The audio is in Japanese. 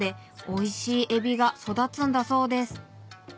おいしいエビが育つんだそうです